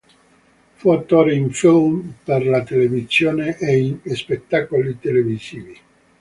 Fu attore in film per la televisione e in spettacoli televisivi.